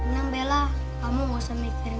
tenang bella kamu gak usah mikirin